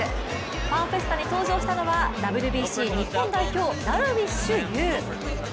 ファンフェスタに登場したのはＷＢＣ日本代表、ダルビッシュ有。